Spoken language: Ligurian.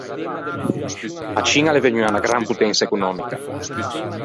A Ciña a l’é vegnua unna gran potensa econòmica.